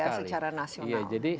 secara nasional jadi